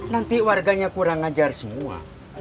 nanti warganya kurang ngajar semua